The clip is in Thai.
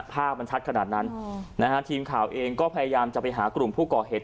ภาพมันชัดขนาดนั้นนะฮะทีมข่าวเองก็พยายามจะไปหากลุ่มผู้ก่อเหตุ